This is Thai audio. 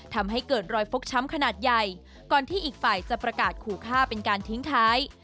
ทำให้เกิดรอยฟกช้ำขนาดใหญ่ก่อนที่อีกฝ่ายจะประกาศขู่ฆ่าเป็นการทิ้งท้าย